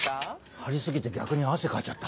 貼り過ぎて逆に汗かいちゃった。